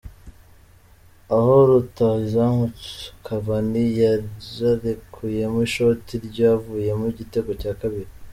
aha Rutahizamu Cavani yararekuyemo Ishoti ryavuyemo igitego cya kabiri